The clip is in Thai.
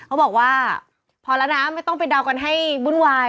เขาบอกว่าพอแล้วนะไม่ต้องไปเดากันให้วุ่นวาย